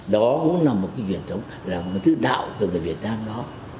đó cũng là một cái chuyện đạo của người việt nam đó